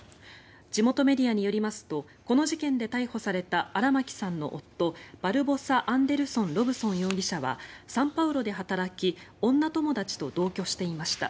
地元メディアによりますとこの事件で逮捕された荒牧さんの夫バルボサ・アンデルソン・ロブソン容疑者はサンパウロで働き女友達と同居していました。